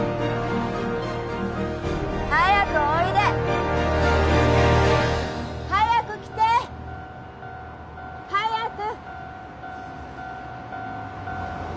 早くおいで早く来て！早く！